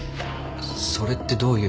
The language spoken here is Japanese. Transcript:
それってどういう。